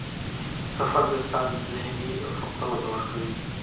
سفر د انسان ذهني افق ته وده ورکوي.